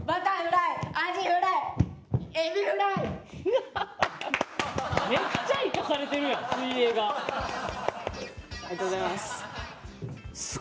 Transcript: ありがとうございます。